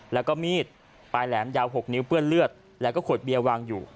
แล้วก็มีดปลายแหลมยาว๖นิ้วเปื้อนเลือดแล้วก็ขวดเบียร์วางอยู่